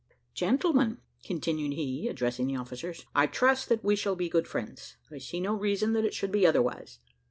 Gentlemen," continued he, addressing the officers, "I trust that we shall be good friends; and I see no reason that it should be otherwise."